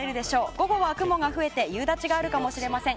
午後は雲が多くなり夕立があるかもしれません。